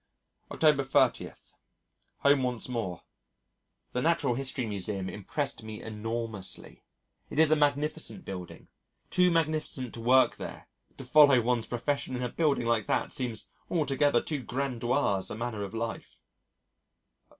October 30. Home once more. The Natural History Museum impressed me enormously. It is a magnificent building too magnificent to work there to follow one's profession in a building like that seems an altogether too grandiose manner of life.